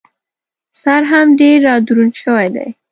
سر هم ډېر را دروند شوی دی.